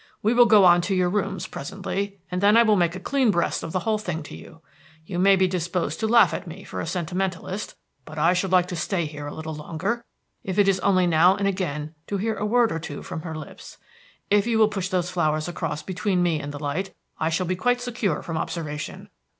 We will go on to your rooms presently, and then I will make a clean breast of the whole thing to you. You may be disposed to laugh at me for a sentimentalist, but I should like to stay here a little longer, if it is only now and again to hear a word or two from her lips. If you will push those flowers across between me and the light I shall be quite secure from observation.